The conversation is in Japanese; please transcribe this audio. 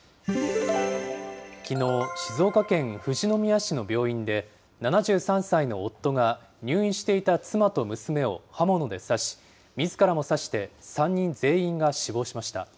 きのう、静岡県富士宮市の病院で、７３歳の夫が入院していた妻と娘を刃物で刺し、みずからも刺して３人全員が死亡しました。